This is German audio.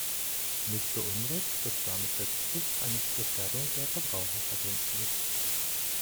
Mich beunruhigt, dass damit letztlich eine Gefährdung der Verbraucher verbunden ist.